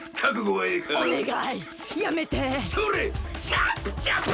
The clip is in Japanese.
チャップチャップ！